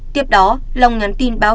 tiếp đó long nhắn tin báo